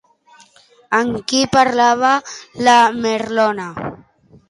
Amb qui parlava la Merlona?